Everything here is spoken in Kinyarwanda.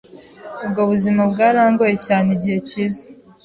Ubwo buzima bwarangoye cyane igihe kiza